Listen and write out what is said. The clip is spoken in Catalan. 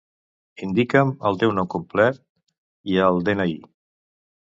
Indica'm el teu nom complet i el de-ena-i.